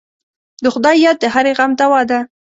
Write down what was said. د خدای یاد د هرې غم دوا ده.